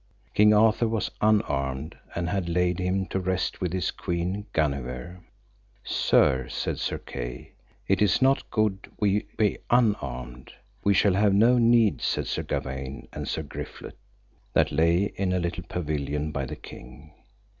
King Arthur was unarmed, and had laid him to rest with his Queen Guenever. Sir, said Sir Kay, it is not good we be unarmed. We shall have no need, said Sir Gawaine and Sir Griflet, that lay in a little pavilion by the king.